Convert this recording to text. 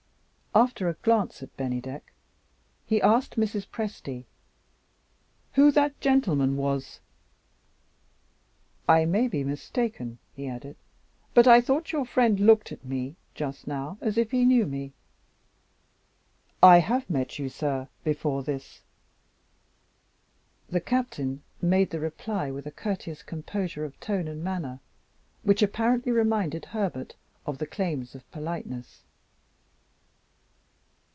After a glance at Bennydeck, he asked Mrs. Presty "who that gentleman was." "I may be mistaken," he added; "but I thought your friend looked at me just now as if he knew me." "I have met you, sir, before this." The Captain made the reply with a courteous composure of tone and manner which apparently reminded Herbert of the claims of politeness.